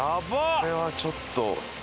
これはちょっと。